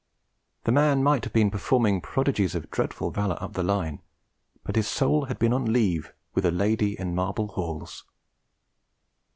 The man might have been performing prodigies of dreadful valour up the Line, but his soul had been on leave with a lady in marble halls.